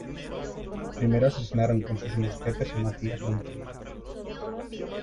Primero asesinaron con sus mosquetes a Matias Montenegro.